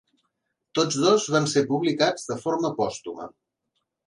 Tots dos van ser publicats de forma pòstuma.